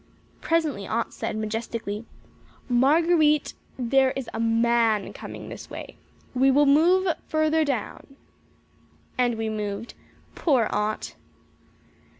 Presently Aunt said, majestically: "Marguer_ite_, there is a man coming this way. We will move further down." And we moved. Poor Aunt!